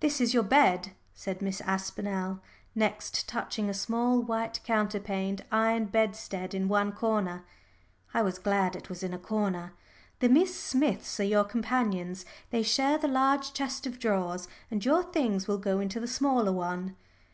"This is your bed," said Miss Aspinall next, touching a small white counterpaned iron bedstead in one corner I was glad it was in a corner. "The Miss Smiths are your companions. They share the large chest of drawers, and your things will go into the smaller one."